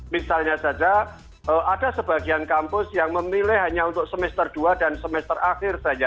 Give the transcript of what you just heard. misalnya saja ada sebagian kampus yang memilih hanya untuk semester dua dan semester akhir saja